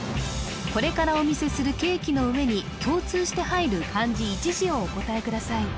これからお見せするケーキの上に共通して入る漢字一字をお答えください